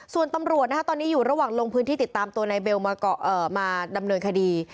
ส่วนตำรวจตอนนี้อยู่ระหว่างลงพื้นที่ติดตามตัวนายเบลมาดำเนินคดี